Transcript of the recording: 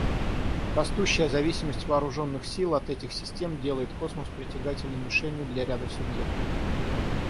Растущая зависимость вооруженных сил от этих систем делает космос притягательной мишенью для ряда субъектов.